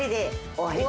終わり？